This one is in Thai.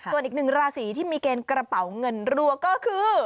ส่วนอีกหนึ่งราศีที่มีเกณฑ์กระเป๋าเงินรัวก็คือ